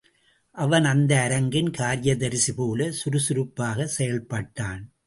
அவன் அந்த அரங்கின் காரியதரிசி போலச் சுருசுருப்பாகச் செயல்பட்டான்.